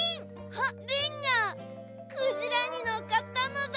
あっリンがクジラにのっかったのだ。